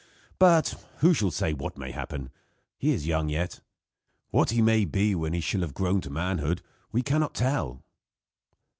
But, who shall say what may happen? He is young yet. What he may be when he shall have grown to manhood we can not tell."